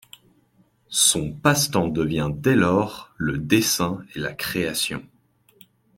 Son passe-temps devient dès lors le dessin et la création.